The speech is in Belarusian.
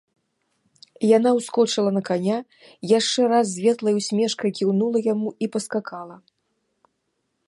Яна ўскочыла на каня, яшчэ раз з ветлай усмешкай кіўнула яму і паскакала.